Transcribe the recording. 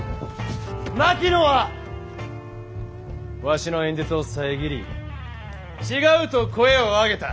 槙野はわしの演説を遮り「違う」と声を上げた。